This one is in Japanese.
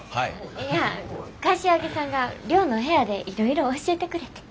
いや柏木さんが寮の部屋でいろいろ教えてくれてん。